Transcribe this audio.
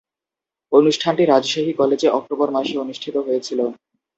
অনুষ্ঠানটি রাজশাহী কলেজে অক্টোবর মাসে অনুষ্ঠিত হয়েছিলো।